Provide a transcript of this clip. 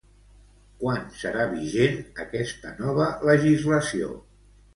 Quan serà vigent aquesta nova legislació?